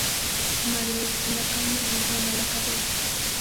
Madrid y la calle Virgen de la Cabeza.